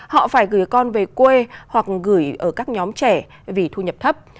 họ phải gửi con về quê hoặc gửi ở các nhóm trẻ vì thu nhập thấp